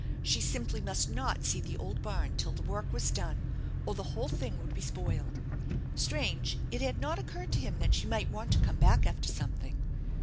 She simply must not see the old barn till the work was done, or the whole thing would be spoiled. Strange it had not occurred to him that she might want to come back after something!